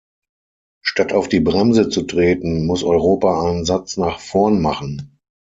Statt auf die Bremse zu treten, muss Europa einen Satz nach vorn machen.